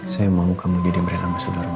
kamu mau jadi bren ambasador